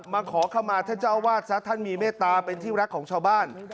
มาขอเข้ามาท่านเจ้าวาดซะท่านมีเมตตาเป็นที่รักของชาวบ้าน